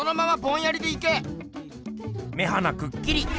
目鼻くっきり。